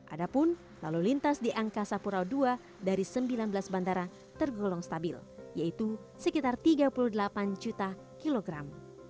ada pun lalu lintas di angka sapura dua dari sembilan belas bandara tergolong stabil yaitu sekitar tiga puluh delapan juta kilogram